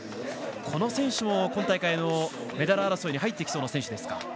この選手も今大会のメダル争いに入ってきそうな選手ですか。